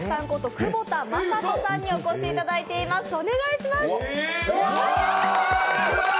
久保田雅人さんにお越しいただいています。